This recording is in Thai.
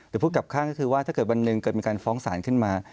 พูดกลับข้างก็คือว่าถ้าเกิดวันหนึ่งเกิดมีการฟ้องศาลขึ้นมา